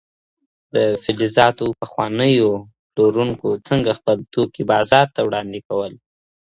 د فلزاتو پخوانیو پلورونکو څنګه خپل توکي بازار ته وړاندي کول؟